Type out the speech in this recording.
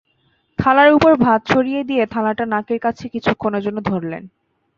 থালার ওপর ভাত ছড়িয়ে দিয়ে থালাটা নাকের কাছে কিছুক্ষণের জন্য ধরলেন।